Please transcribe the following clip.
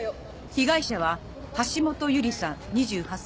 被害者は橋本優里さん２８歳。